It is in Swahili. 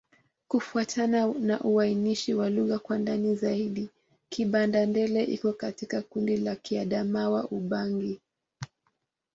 Kufuatana na uainishaji wa lugha kwa ndani zaidi, Kibanda-Ndele iko katika kundi la Kiadamawa-Ubangi.